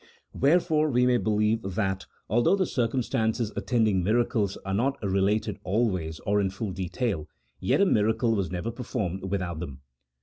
"Wherefore we may believe that, although the circum stances attending miracles are not related always or in full detail, yet a miracle was never performed without them.